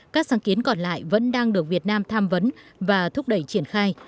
các sáng kiến còn lại vẫn đang được việt nam tham vấn và thúc đẩy triển khai